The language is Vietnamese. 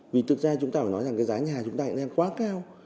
vì thực ra chúng ta phải nói rằng giá nhà chúng ta đang quá cao